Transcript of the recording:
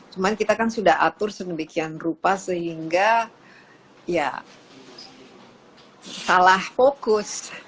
cuman kita kan sudah atur sedemikian rupa sehingga ya salah fokus